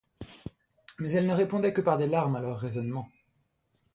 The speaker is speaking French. Mais elle ne répondait que par des larmes à leurs raisonnements.